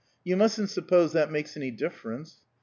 "You mustn't suppose that makes any difference.